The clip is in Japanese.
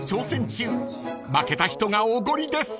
［負けた人がおごりです］